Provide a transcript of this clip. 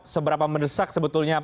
seberapa mendesak sebetulnya